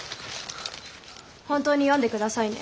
本当に読んで下さいね。